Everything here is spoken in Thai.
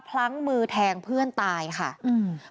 พลั้งมือแทงเพื่อนตายค่ะอืม